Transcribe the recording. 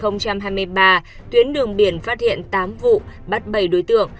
năm hai nghìn hai mươi ba tuyến đường biển phát hiện tám vụ bắt bảy đối tượng